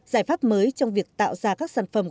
giải pháp mới trong việc tạo ra các sản phẩm